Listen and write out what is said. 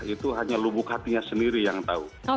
itu hanya lubuk hatinya sendiri yang tahu